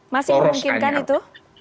masih memungkinkan itu